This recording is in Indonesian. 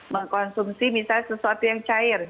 mengkonsumsi misalnya sesuatu yang cair